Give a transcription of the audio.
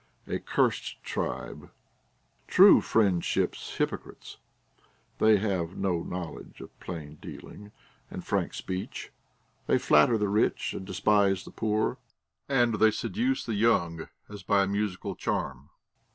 A cursed tribe ! True friendship's hypocrites, they have no knowledge of plain dealing and frank speech. They flatter the rich, and despise the poor ; and they seduce the young, as by a musical charm.